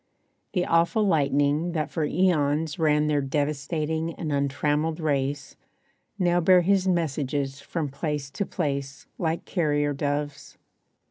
The awful lightning that for eons ran Their devastating and untrammeled race, Now bear his messages from place to place Like carrier doves.